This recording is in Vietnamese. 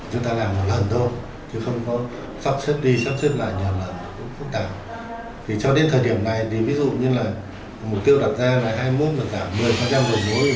chúng ta cái số giảm số người hương lương ngân sách thì đến thời điểm này hai mươi tám chúng ta đã đạt khoảng tám rồi